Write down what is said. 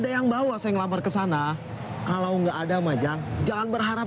yang juga berduit paham